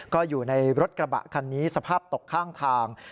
ก็อยู่ในรถกระบะคันนี้สภาพตกข้างทาง